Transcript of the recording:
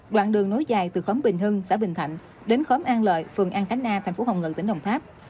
đoạn đường nối dài từ khóm bình hưng xã bình thạnh đến khóm an lợi phường an khánh a thành phố hồng ngự tỉnh đồng tháp